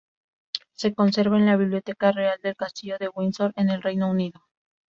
Se conserva en la Biblioteca Real del castillo de Windsor en el Reino Unido.